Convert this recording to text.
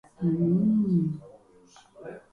Vol lluitar fins a obtenir la independència?